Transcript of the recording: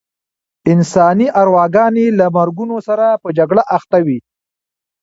انساني ارواګانې له مرګونو سره په جګړه اخته وې.